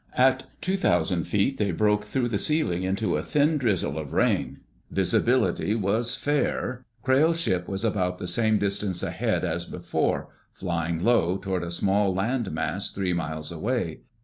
At two thousand feet they broke through the ceiling into a thin drizzle of rain. Visibility was fair. Crayle's ship was about the same distance ahead as before, flying low toward a small land mass three miles away.